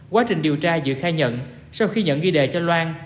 quá trình điều tra dự khai nhận sau khi nhận ghi đề cho loan